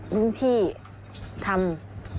ดวงที่ภรรย์ทำ